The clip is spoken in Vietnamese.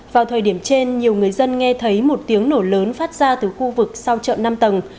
vào thời điểm trên nhiều người dân nghe thấy một tiếng nổ lớn phát ra từ khu vực sau chợ năm tầng